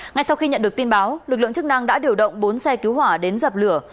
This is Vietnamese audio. ngay sau khi nhận được tin báo lực lượng chức năng đã điều động bốn xe cứu hỏa đến dập lửa